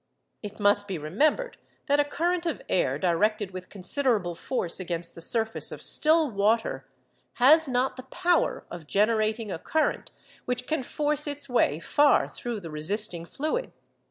It must be remembered that a current of air directed with considerable force against the surface of still water has not the power of generating a current which can force its way far through the resisting fluid.